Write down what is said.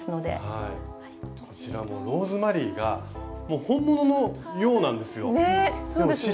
はいこちらもローズマリーがもう本物のようなんですよ！ね！